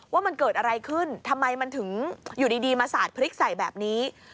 ว่ามันเกิดอะไรขึ้นทำไมมันถึงอยู่ดีมาสาดพริกใส่แบบนี้